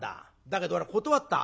だけど俺は断った。